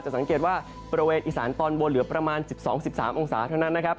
สังเกตว่าบริเวณอีสานตอนบนเหลือประมาณ๑๒๑๓องศาเท่านั้นนะครับ